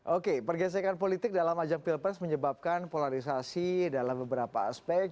oke pergesekan politik dalam ajang pilpres menyebabkan polarisasi dalam beberapa aspek